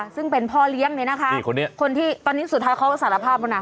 ซึ่งเป็นพ่อเลี้ยงเนี่ยนะคะคนที่ตอนนี้สุดท้ายเขาก็สารภาพแล้วนะ